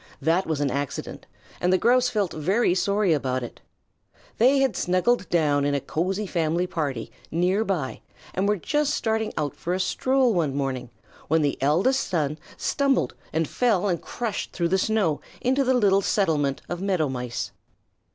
That was an accident, and the Grouse felt very sorry about it. They had snuggled down in a cozy family party near by, and were just starting out for a stroll one morning when the eldest son stumbled and fell and crushed through the snow into the little settlement of Meadow Mice.